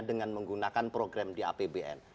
dengan menggunakan program di apbn